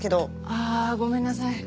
あぁごめんなさい。